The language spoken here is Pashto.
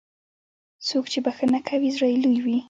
څوک چې بښنه کوي، زړه یې لوی وي.